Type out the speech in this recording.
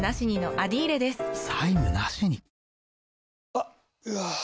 あっ、うわー。